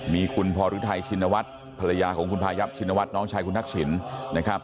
มีคุณพรุทัยชินวัฒน์ภรรยาของคุณพายับชินวัฒน์น้องชายคุณทักษิณนะครับ